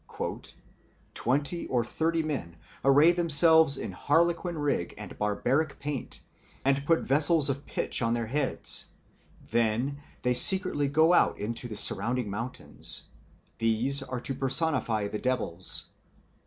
"Twenty or thirty men array themselves in harlequin rig and barbaric paint, and put vessels of pitch on their heads; then they secretly go out into the surrounding mountains. These are to personify the devils.